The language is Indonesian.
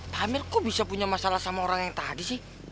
pak hamil kok bisa punya masalah sama orang yang tadi sih